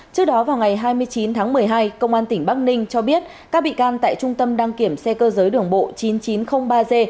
trước đó vào ngày hai mươi chín tháng một mươi hai công an tỉnh bắc ninh cho biết các bị can tại trung tâm đăng kiểm xe cơ giới đường bộ chín nghìn chín trăm linh ba g